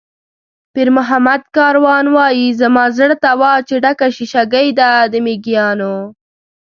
پیرمحمد کاروان وایي: "زما زړه ته وا چې ډکه شیشه ګۍ ده د مېږیانو".